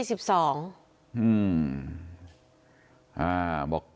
อืม